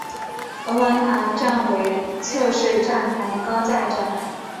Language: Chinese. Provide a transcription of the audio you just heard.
龙王塘站为侧式站台高架站。